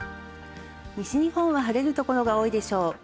西日本は晴れる所が多いでしょう。